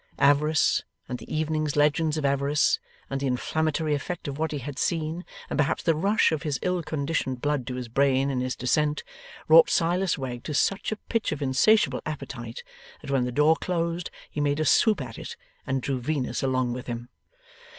Avarice, and the evening's legends of avarice, and the inflammatory effect of what he had seen, and perhaps the rush of his ill conditioned blood to his brain in his descent, wrought Silas Wegg to such a pitch of insatiable appetite, that when the door closed he made a swoop at it and drew Venus along with him.